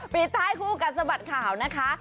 ปิดท้ายคู่กัดสะบัดข่าวนะคะ